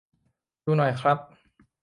ดูหน่อยครับ